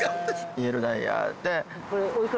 イエローダイヤで。